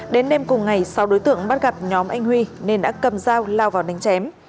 đến đêm cùng ngày sáu đối tượng bắt gặp nhóm anh huy nên đã cầm dao lao vào đánh chém